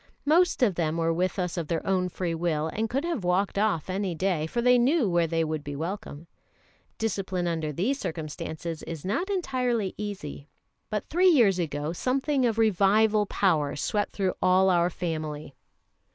Most of them were with us of their own free will, and could have walked off any day, for they knew where they would be welcome. Discipline under these circumstances is not entirely easy. But three years ago something of Revival Power swept through all our family.